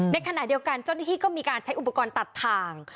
ในขณะเดียวกันเจ้าหน้าที่ก็มีการใช้อุปกรณ์ตัดทาง